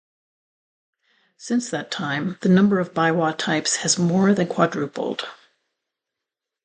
Since that time, the number of biwa types has more than quadrupled.